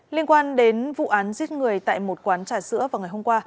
liên quan đến vụ án giết người tại một quán trà sữa vào ngày hôm qua